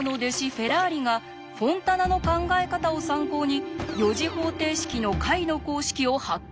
フェラーリがフォンタナの考え方を参考に４次方程式の解の公式を発見。